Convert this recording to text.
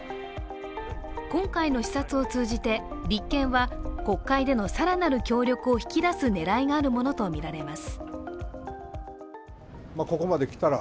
今回の視察を通じて立憲は、国会での更なる強力を引き出す狙いがあるものとみられます。